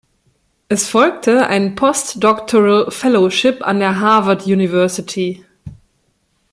Es folgte ein Postdoctoral Fellowship an der Harvard University.